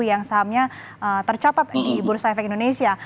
yang sahamnya tercatat di bursa efek indonesia